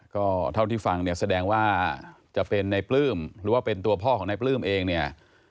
ก็เท่าที่ฟังเนี่ยแสดงว่าจะเป็นในปลื้มหรือว่าเป็นตัวพ่อของนายปลื้มเองเนี่ย